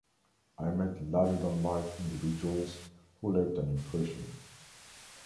I met larger-than-life individuals who left an impression.